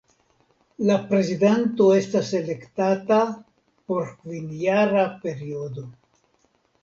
La prezidanto estas elektata por kvinjara periodo.